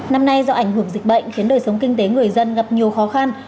năm nay do ảnh hưởng dịch bệnh khiến đời sống kinh tế người dân gặp nhiều khó khăn